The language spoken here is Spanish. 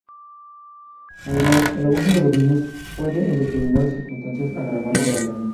Además el abuso de los mismos puede en determinadas circunstancias agravar el problema.